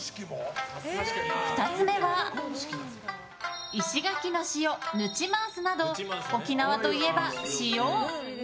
２つ目は石垣の塩ぬちまーすなど沖縄といえば塩！